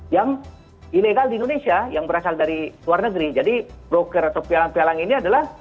yang ilegal di indonesia yang berasal dari luar negeri jadi broker atau pialang pialang ini adalah